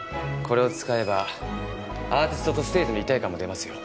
これを使えばアーティストとステージの一体感も出ますよ。